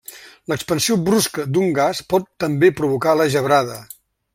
L'expansió brusca d'un gas pot també provocar la gebrada.